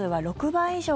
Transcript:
６倍以上。